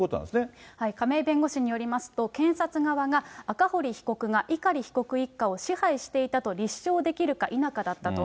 亀井弁護士によりますと、検察側が赤堀被告が碇被告一家を支配していたと立証できるか否かだったと。